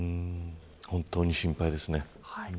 本当に心配ですね。